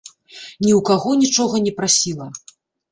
Ні ў каго нічога не прасіла!